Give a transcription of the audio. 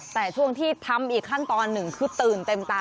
แต่ช่วงที่ทำอีกขั้นตอนหนึ่งคือตื่นเต็มตา